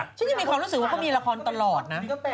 ฉันยังมีความรู้สึกว่าเขามีละครตลอดนะ